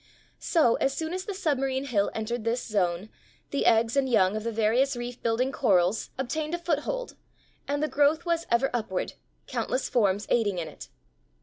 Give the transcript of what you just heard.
So, as soon as the submarine hill entered this zone, the eggs and young of the various reef building corals (Figs. 33, 37) obtained a foothold, and the growth was ever upward, countless forms aiding in it.